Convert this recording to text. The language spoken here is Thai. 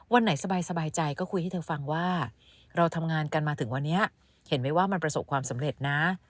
วันไหนสบายใจก็คุยให้เธอฟังว่าเราทำงานกันมาถึงวันนี้เห็นไหมว่ามันประสบความสำเร็จนะ